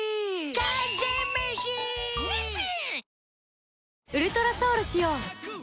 完全メシ！ニッシン！